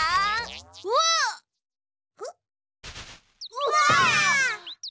うわ！